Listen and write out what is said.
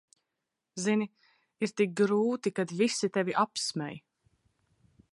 Zini, ir tik grūti, kad visi tevi apsmej.